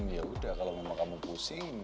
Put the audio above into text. ya udah kalo mama kamu pusing